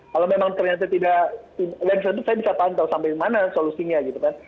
kalau memang ternyata tidak saya bisa tahan sampai mana solusinya gitu kan